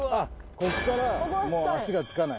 こっからもう足がつかない